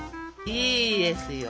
いいですよ。